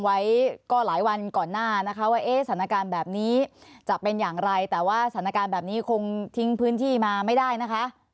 ไว้ก็หลายวันก่อนหน้านะคะว่าเอ๊ะสถานการณ์แบบนี้จะเป็นอย่างไรแต่ว่าสถานการณ์แบบนี้คงทิ้งพื้นที่มาไม่ได้นะคะ